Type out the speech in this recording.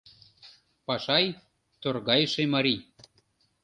Пашай — торгайыше марий.